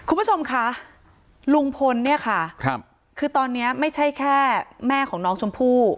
คุณผู้ชมคะลุงพลเนี่ยค่ะคือตอนนี้ไม่ใช่แค่แม่ของน้องชมพู่